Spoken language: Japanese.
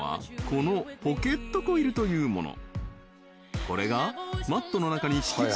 このポケットコイルというもの